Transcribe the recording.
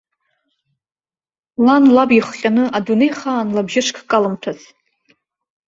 Лан, лаб ихҟьаны, адунеихааны лабжышк калымҭәац.